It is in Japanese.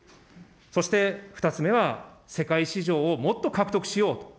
そして、２つ目は世界市場をもっと獲得しようと。